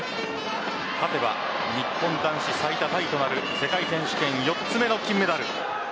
勝てば日本男子最多タイとなる世界選手権４つ目の金メダル。